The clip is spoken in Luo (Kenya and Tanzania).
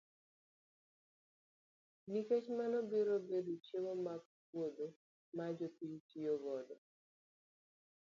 Nikech mano biro bedo chiemo mag puodho ma jopiny tiyo godo.